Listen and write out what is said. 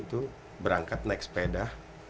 itu berangkat naik sepeda